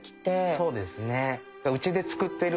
そうですね。